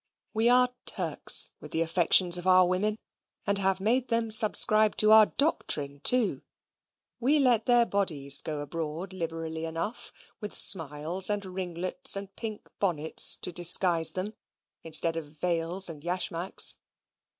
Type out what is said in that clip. We are Turks with the affections of our women; and have made them subscribe to our doctrine too. We let their bodies go abroad liberally enough, with smiles and ringlets and pink bonnets to disguise them instead of veils and yakmaks.